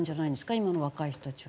今の若い人たちは。